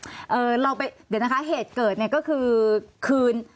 เดี๋ยวเราไปเดี๋ยวนะคะเหตุเกิดเนี่ยก็คือคืน